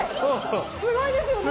すごいですよね？